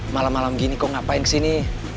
malam malam gini kok ngapain kesini